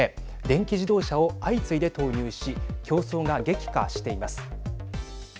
電気自動車を相次いで投入し競争が激化しています。